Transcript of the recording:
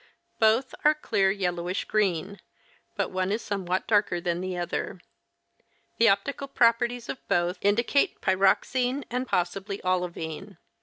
Both are clear yellowish green, but one is somewhat darker than the other. The optical properties of both indicate pyroxene and possibly olivine.